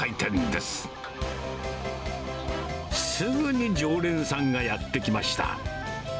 すぐに常連さんがやって来ました。